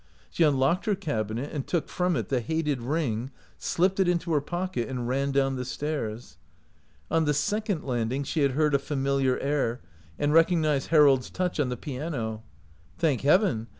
She unlocked her cabinet and took from it the hated ring, slipped it into her pocket, and ran down the stairs. On the second landing she had heard a familiar air and recognized Harold's touch on the piano. Thank Heaven!